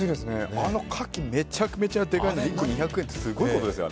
あのカキ、めちゃめちゃでかいの１個２００円ってすごいことですよ。